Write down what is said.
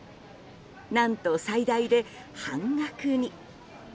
何と最大で半額に。